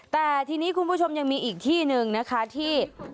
แต่ทีนี้คุณผู้ชมยังมีอีกที่หนึ่งนะคะที่